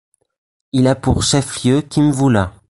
Il a pour chef-lieu Kimvula.